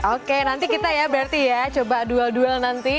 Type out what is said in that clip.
oke nanti kita ya berarti ya coba duel duel nanti